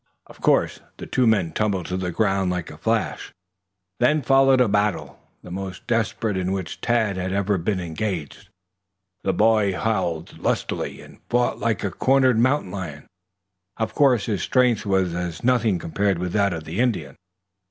Of course the two men tumbled to the ground like a flash. Then followed a battle, the most desperate in which Tad ever had been engaged. The boy howled lustily and fought like a cornered mountain lion. Of course his strength was as nothing compared with that of the Indian.